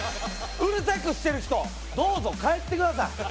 うるさくしてる人どうぞ帰ってください。